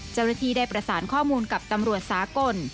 เจ้าหน้าที่ได้ประสานข้อมูลกับตำรวจสากล